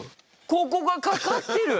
ここがかかってる！